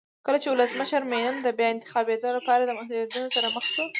کله چې ولسمشر مینم د بیا انتخابېدو لپاره له محدودیتونو سره مخ شو.